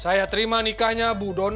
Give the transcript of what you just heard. saya terima nikahnya budona